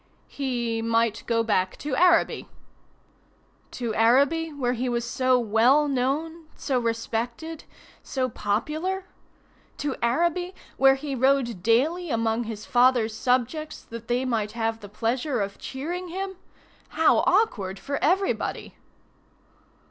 He might go back to Araby. To Araby, where he was so well known, so respected, so popular? To Araby, where he rode daily among his father's subjects that they might have the pleasure of cheering him? How awkward for everybody!